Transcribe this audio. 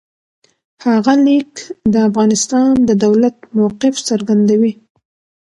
هغه لیک د افغانستان د دولت موقف څرګندوي.